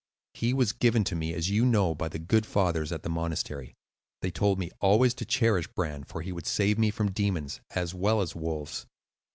"He was given to me (as you know) by the good fathers at the monastery. They told me always to cherish Bran, for he would save me from demons, as well as wolves.